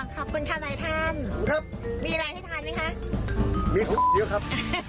อ๋อขอบคุณค่ะใดท่านมีอะไรให้ทานไหมคะมีทุกอยู่ครับ